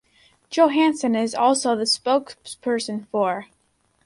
Johansson is also the spokesperson for